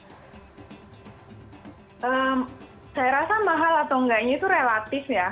saya rasa mahal atau enggaknya itu relatif ya